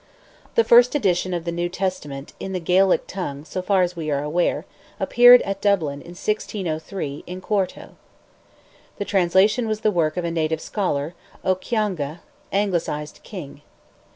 The first edition of the New Testament, in the Gaelic tongue, so far as we are aware, appeared at Dublin, in 1603, in quarto. The translation was the work of a native scholar, O'Cionga (Anglicized King).